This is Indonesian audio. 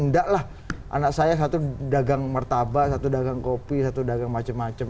ndak lah anak saya satu dagang martabak satu dagang kopi satu dagang macem macem